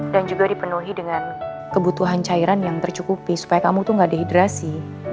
dan juga dipenuhi dengan kebutuhan cairan yang tercukupi supaya kamu tuh gak dehidrasi